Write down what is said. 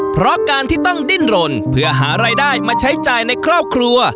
เพราะการที่ต้องดิ้นรนเพื่อหารายได้มาใช้จ่ายในครอบครัว